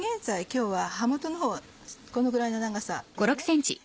今日は葉元のほうこのぐらいの長さですね。